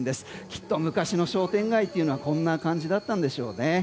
きっと昔の商店街っていうのはこんな感じだったんでしょうね。